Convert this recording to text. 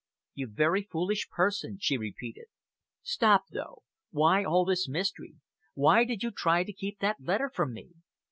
"You very foolish person," she repeated. "Stop, though. Why all this mystery? Why did you try to keep that letter from me?"